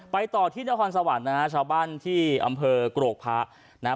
ไปต่อที่นครสวรรค์นะชาวบ้านที่อำเภอกรกภาพ